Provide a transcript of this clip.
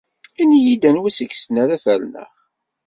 Ini-iyi-d anwa deg-sen ara ferneɣ.